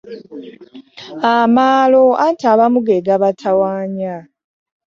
Amaalo anti abamu ge gabatawaanya.